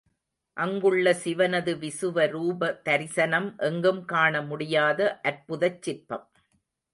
அங்குள்ள சிவனது விசுவரூப தரிசனம் எங்கும் காணமுடியாத அற்புதச் சிற்பம்.